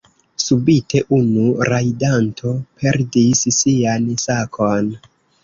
Subite unu rajdanto perdis sian sakon.